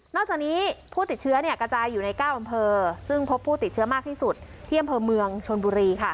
จากนี้ผู้ติดเชื้อกระจายอยู่ใน๙อำเภอซึ่งพบผู้ติดเชื้อมากที่สุดที่อำเภอเมืองชนบุรี